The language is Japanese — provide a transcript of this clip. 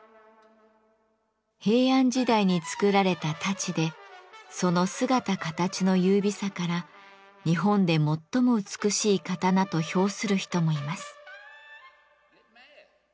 平安時代に作られた太刀でその姿形の優美さから日本で最も美しい刀と評する人もいます。